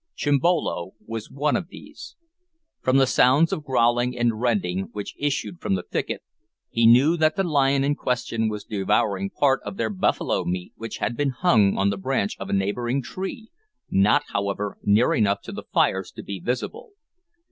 Chimbolo was one of these. From the sounds of growling and rending which issued from the thicket, he knew that the lion in question was devouring part of their buffalo meat which had been hung on the branch of a neighbouring tree, not, however, near enough to the fires to be visible.